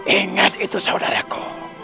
ingat itu saudaraku